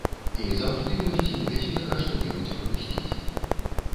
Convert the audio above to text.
І заўжды ёсць небяспека што-небудзь прапусціць.